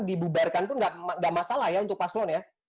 dibubarkan itu enggak masalah ya untuk paslon ya